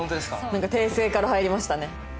なんか訂正から入りましたね。